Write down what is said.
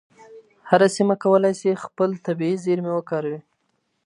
هره سیمه کولای سي خپل طبیعي زیرمې وکاروي.